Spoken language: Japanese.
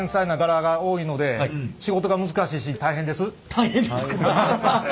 大変ですか。